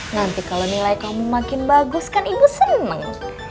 nanti kalau nilai kamu makin bagus kan ibu seneng